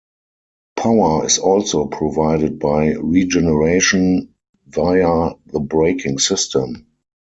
Power is also provided by regeneration via the braking system.